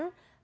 ya ya allah